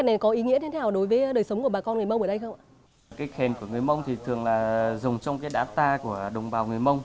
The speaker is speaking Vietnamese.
huyện đồng văn thì thường là dùng trong cái đá ta của đồng bào người mông